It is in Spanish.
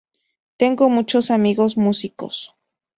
Tengo muchos amigos músicos.